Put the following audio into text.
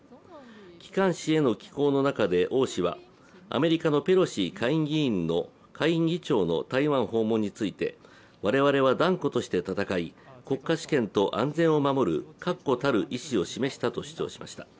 機関誌への寄稿の中で王氏は、アメリカのペロシ下院議長の台湾訪問について、我々は断固として戦い、国家主権と安全を守る確固たる意志を示したと主張しました。